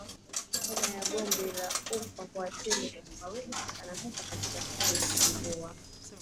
Homa ya bonde la ufa huathiri wanyama wengi sana hasa katika kipindi cha mvua